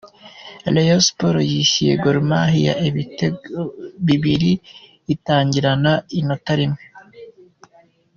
Rayon Sports yishyuye Gor Mahia ibitego bibiri, itangirana inota rimwe.